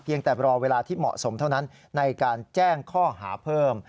ยังแต่รอเวลาที่เหมาะสมเท่านั้นในการแจ้งข้อหาเพิ่ม